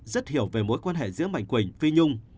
rất hiểu về mối quan hệ giữa mạnh quỳnh phi nhung